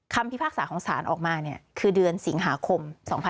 พิพากษาของศาลออกมาคือเดือนสิงหาคม๒๕๖๒